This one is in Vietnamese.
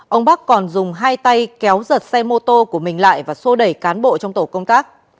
ông bắc còn dùng hai tay kéo giật xe mô tô của mình lại và sô đẩy cán bộ trong tổ công tác